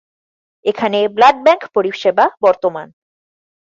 এখানে blood bank পরিষেবা বর্তমান।